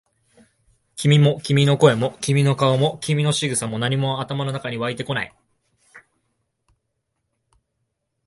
君も、君の声も、君の顔も、君の仕草も、何も頭の中に湧いてこない。